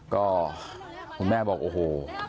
ก็คุณแม่บอกโอ้โห